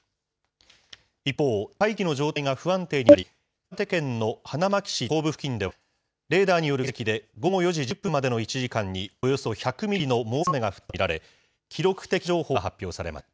一方、大気の状態が不安定になり、岩手県の花巻市東部付近では、レーダーによる解析で、午後４時１０分までの１時間におよそ１００ミリの猛烈な雨が降ったと見られ、記録的短時間大雨情報が発表されました。